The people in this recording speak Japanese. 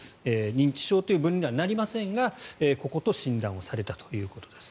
認知症という分類にはなりませんがここと診断されたということです。